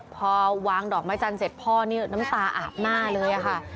พอวางดอกไม้จันทร์เสร็จพ่อนี่น้ำตาอาบหน้าเลยค่ะ